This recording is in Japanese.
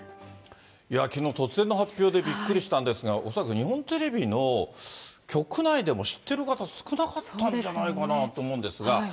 きのう突然の発表で、びっくりしたんですが、恐らく日本テレビの局内でも知ってる方、少なかったんじゃないかなと思うんですが。